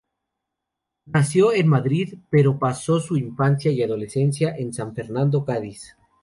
Nació en Madrid pero pasó su infancia y adolescencia en San Fernando, Cádiz.